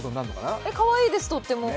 かわいいです、とっても。